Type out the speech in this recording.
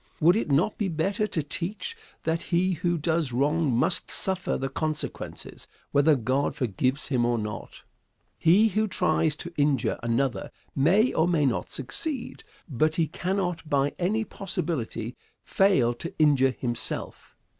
Would it not be better to teach that he who does wrong must suffer the consequences, whether God forgives him or not? He who tries to injure another may or may not succeed, but he cannot by any possibility fail to injure himself.